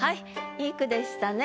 良い句でしたね。